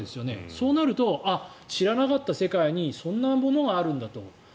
そうなると、知らなかった世界にそんなものがあるんだと。